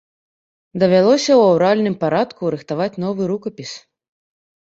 Давялося ў аўральным парадку рыхтаваць новы рукапіс.